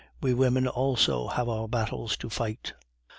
We women also have our battles to fight."